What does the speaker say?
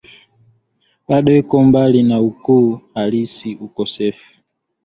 bado iko mbali na ukuu halisi Ukosefu